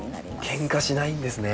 けんかしないんですね。